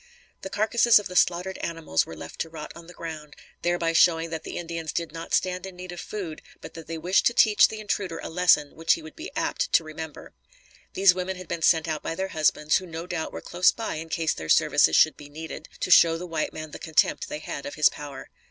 The carcasses of the slaughtered animals were left to rot on the ground, thereby showing that the Indians did not stand in need of food, but that they wished to teach the intruder a lesson which he would be apt to remember. These women had been sent out by their husbands, who no doubt were close by in case their services should be needed, to show to the white man the contempt they had of his power.